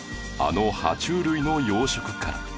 あの爬虫類の養殖から